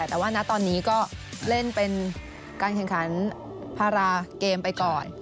แต่ว่านะตอนนี้ก็เล่นเป็นการเฉพาะการเขนการพาราเกมไปก่อน